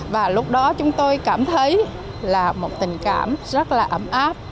và lúc đó chúng tôi cảm thấy là một tình cảm rất là ấm áp